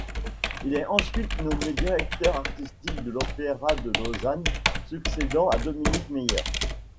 Il est ensuite nommé directeur artistique de l’Opéra de Lausanne, succédant à Dominique Meyer.